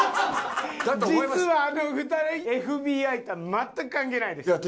実はあの２人ＦＢＩとは全く関係ないです。でしょうね。